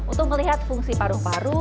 untuk melihat fungsi paru paru